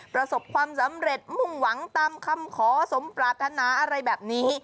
ประสบความสำเร็จมุ่งหวังตามคำขอสมปรารถนาอะไรแบบนี้